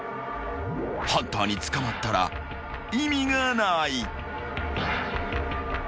［ハンターに捕まったら意味がない］